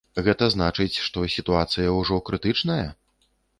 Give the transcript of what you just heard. Гэта значыць, што сітуацыя ўжо крытычная?